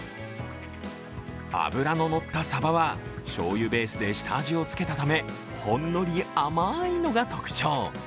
脂がのったさばは、しょうゆベースで下味をつけたためほんのり甘いのが特徴。